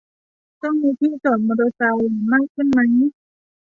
ต้องมีที่จอดมอเตอร์ไซค์มากขึ้นไหม